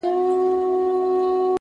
د زړه روڼتیا د ژوند ښکلا زیاتوي